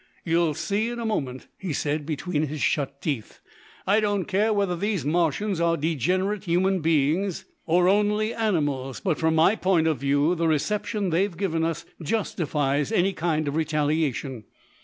"You'll see in a moment," he said, between his shut teeth. "I don't care whether these Martians are degenerate human beings or only animals; but from my point of view the reception they have given us justifies any kind of retaliation.